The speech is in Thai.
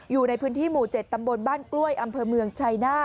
อยู่ในพื้นที่หมู่๗ตำบลบ้านกล้วยอำเภอเมืองชัยหน้า